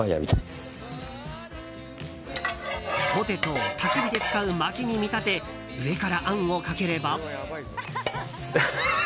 ポテトをたき火に使うまきに見立て上からあんをかければ。